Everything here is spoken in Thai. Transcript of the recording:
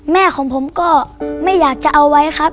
แม่ของผมก็ไม่อยากจะเอาไว้ครับ